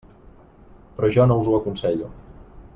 Però jo no us ho aconsello.